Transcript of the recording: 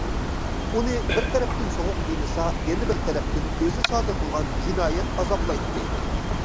ئۇنى بىر تەرەپتىن سوغۇق قىينىسا، يەنە بىر تەرەپتىن ئۆزى سادىر قىلغان جىنايەت ئازابلايتتى.